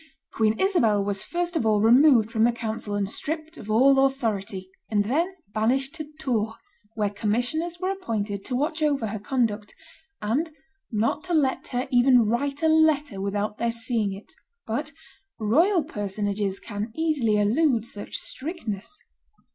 Queen Isabel was first of all removed from the council and stripped of all authority, and then banished to Tours, where commissioners were appointed to watch over her conduct, and not to let her even write a letter without their seeing it. But royal personages can easily elude such strictness.